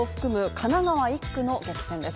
神奈川１区の激戦です。